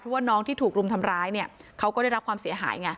เพราะว่าน้องที่ถูกรุมทำร้ายเนี่ยเขาก็ได้รับความเสียหายไง